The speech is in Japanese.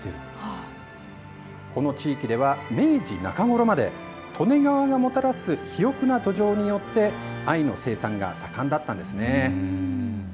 この地域では明治の中頃まで利根川がもたらすひよくな土壌によって藍の生産が盛んだったんです。